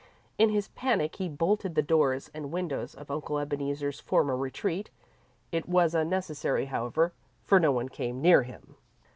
In his panic he bolted the doors and windows of Uncle Ebeneezer's former retreat. It was unnecessary, however, for no one came near him.